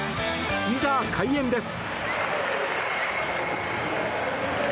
いざ、開演です。